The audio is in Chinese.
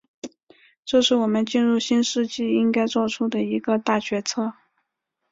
这是我们进入新世纪应该作出的一个大决策。